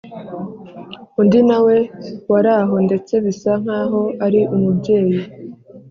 undi nawe waraho ndetse bisa nkaho ari umubyeyi